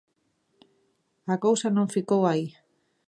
A cousa non ficou aí.